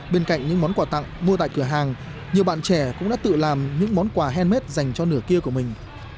bên cạnh những món quà tặng mua tại cửa hàng nhiều bạn trẻ cũng đã tự làm những món quà handmade dành cho nửa kia của mình